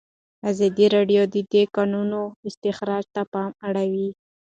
ازادي راډیو د د کانونو استخراج ته پام اړولی.